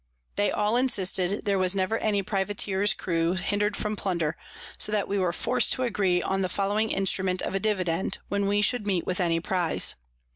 They all insisted there was never any Privateer's Crew hinder'd from Plunder, so that we were forc'd to agree on the following Instrument of a Dividend, when we should meet with any Prize.